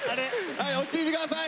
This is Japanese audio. はい落ち着いて下さい！